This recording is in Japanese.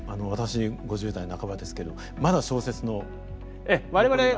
私５０代半ばですけどまだ小説の残りが。